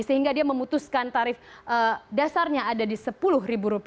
sehingga dia memutuskan tarif dasarnya ada di rp sepuluh